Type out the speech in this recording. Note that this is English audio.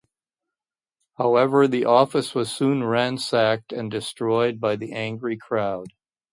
However the office was soon ransacked and destroyed by the angry crowd.